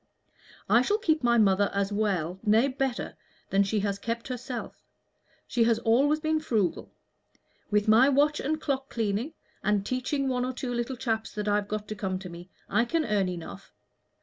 "I shall keep my mother as well nay, better than she has kept herself. She has always been frugal. With my watch and clock cleaning, and teaching one or two little chaps that I've got to come to me, I can earn enough.